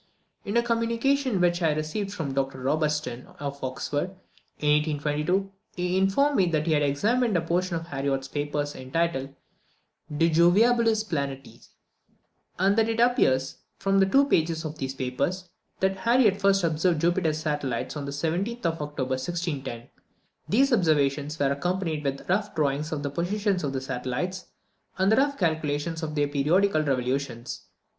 In a communication which I received from Dr Robertson, of Oxford, in 1822, he informed me that he had examined a portion of Harriot's papers, entitled, "De Jovialibus Planetis;" and that it appears, from two pages of these papers, that Harriot first observed Jupiter's satellites on the 17th of October, 1610. These observations are accompanied with rough drawings of the positions of the satellites, and rough calculations of their periodical revolutions.